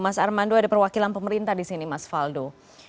mas armando ada perwakilan pemerintah di sini mas faldo